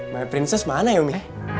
my princess mana ya umi